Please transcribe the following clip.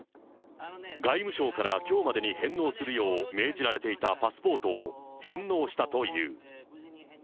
外務省からきょうまでに返納するよう命じられていたパスポートを、返納したという。